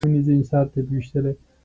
سفارت هغه تایید کړ.